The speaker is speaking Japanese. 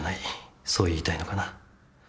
そう言いたいのかな？